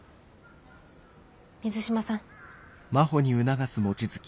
水島さん。